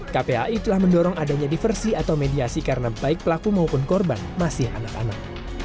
kpai telah mendorong adanya diversi atau mediasi karena baik pelaku maupun korban masih anak anak